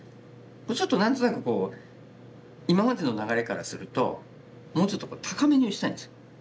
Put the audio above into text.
ちょっと何となく今までの流れからするともうちょっと高めに打ちたいんです。